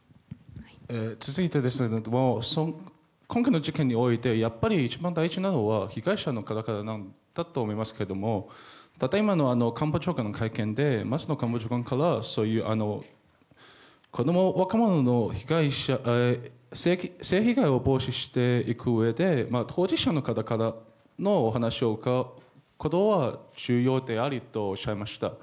続いて、今回の事件において一番大事なのは被害者の方だと思いますがただ今の官房長官の会見で松野官房長官から若者の性被害を防止していくうえで当事者の方からお話を伺うことは重要であるとおっしゃいました。